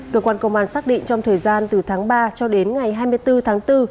cơ quan công an xác định trong thời gian từ tháng ba cho đến ngày hai mươi bốn tháng bốn